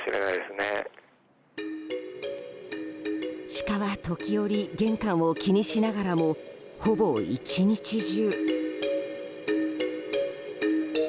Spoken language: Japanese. シカは時折玄関を気にしながらもほぼ１日中。